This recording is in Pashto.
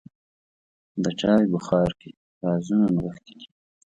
د چای بخار کې رازونه نغښتي دي.